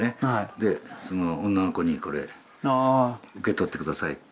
でその女の子にこれ受け取って下さいって。